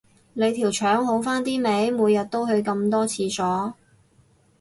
你條腸好返啲未，每日都去咁多廁所